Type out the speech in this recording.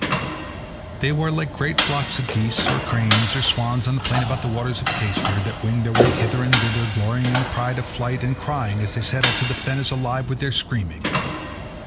They were like great flocks of geese, or cranes, or swans on the plain about the waters of Cayster, that wing their way hither and thither, glorying in the pride of flight, and crying as they settle till the fen is alive with their screaming.